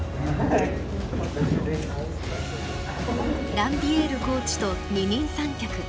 ランビエールコーチと二人三脚。